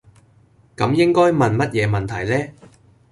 咁應該問乜嘢問題呢?